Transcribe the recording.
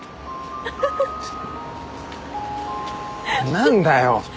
何だよ！